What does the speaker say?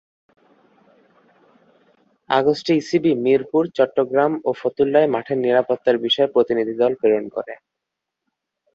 আগস্টে ইসিবি মিরপুর, চট্টগ্রাম ও ফতুল্লায় মাঠের নিরাপত্তার বিষয়ে প্রতিনিধি দল প্রেরণ করে।